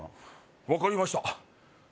分かりましたじゃ